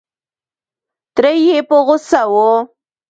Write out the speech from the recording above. تره یې په غوسه و.